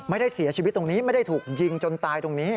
ไม่ได้เสียชีวิตตรงนี้ไม่ได้ถูกยิงจนตายตรงนี้